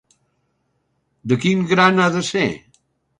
De quin gran ha de ser?